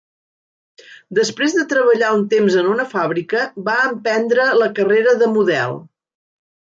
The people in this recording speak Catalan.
Després de treballar un temps en una fàbrica, va emprendre la carrera de model.